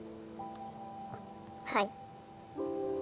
はい。